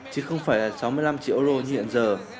chứ không phải là sáu mươi năm triệu euro như hiện giờ